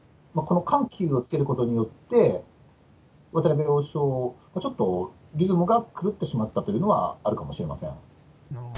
この緩急をつけることによって、渡辺王将、ちょっとリズムが狂ってしまったというのはあるかもしれません。